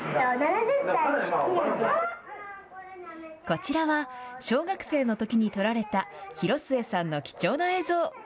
こちらは、小学生のときに撮られた広末さんの貴重な映像。